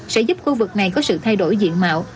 sẽ giúp khu vực này có sự thay đổi diện mạo